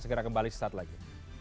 segera kembali sesaat lagi